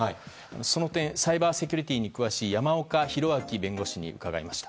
その点サイバーセキュリティーに詳しい山岡裕明弁護士に聞きました。